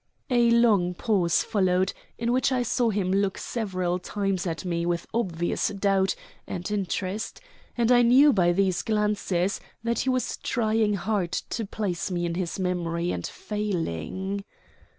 A long pause followed, in which I saw him look several times at me with obvious doubt and interest; and I knew by these glances that he was trying hard to place me in his memory and failing.